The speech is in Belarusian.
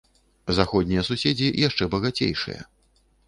Заходнія суседзі яшчэ багацейшыя.